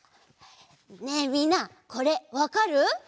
ねえみんなこれわかる？